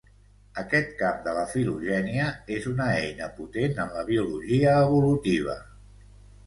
Aquest camp de la filogènia és una eina potent en la biologia evolutiva.